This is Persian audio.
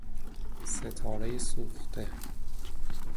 ستاره سوخته